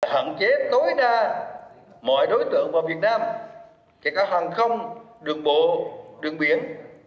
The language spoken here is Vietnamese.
hạn chế tối đa mọi đối tượng vào việt nam kể cả hàng không đường bộ đường biển